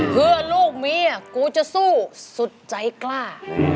เพื่อลูกเมียกูจะสู้สุดใจกล้า